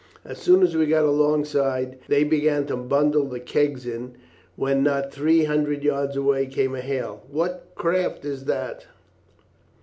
As soon as we got alongside they began to bundle the kegs in, when not three hundred yards away came a hail, 'What craft is that?'